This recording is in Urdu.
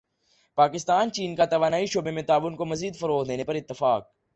پاکستان چین کا توانائی کے شعبے میں تعاون کو مزید فروغ دینے پر اتفاق